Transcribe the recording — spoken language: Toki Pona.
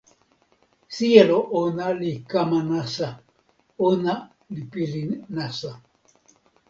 sijelo ona li kama nasa. ona li pilin nasa.